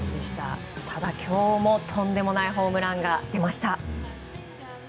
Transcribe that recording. ただ今日もとんでもないホームランが出ました。